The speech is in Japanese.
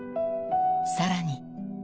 さらに。